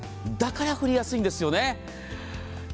だから振りやすいんですよね。